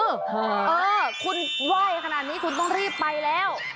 เออคุณไหว้ขนาดนี้คุณต้องรีบไปแล้ว